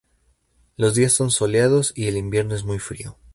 Los días son soleados y el invierno es muy frío.